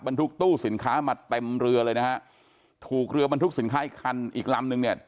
ทุกตู้สินค้ามาเต็มเรือเลยนะฮะถูกเรือบรรทุกสินค้าอีกคันอีกลำนึงเนี่ย